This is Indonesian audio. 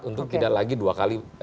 untuk tidak lagi dua kali